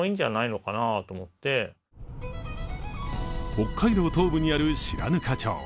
北海道東部にある白糠町。